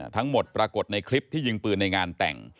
ปรากฏในคลิปที่ยิงปืนในงานแต่ง